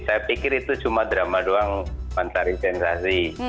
saya pikir itu cuma drama doang mencari sensasi